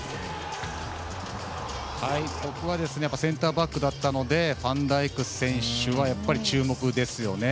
僕はセンターバックだったので、ファン・ダイク選手はやっぱり注目ですよね。